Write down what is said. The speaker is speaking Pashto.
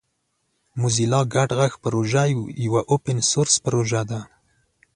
موزیلا ګډ غږ پروژه یوه اوپن سورس پروژه ده.